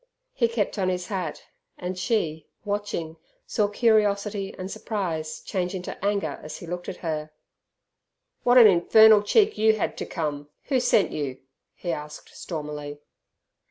He kept on his hat, and she, watching, saw curiosity and surprise change into anger as he looked at her. "What an infernal cheek you had to come! Who sent you?" he asked stormily.